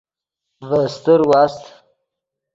ڤے استر واست۔